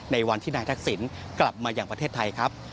ในวันที่นายทักษิณกลับมาอย่างประเทศไทยครับ